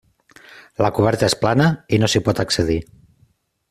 La coberta és plana i no s'hi pot accedir.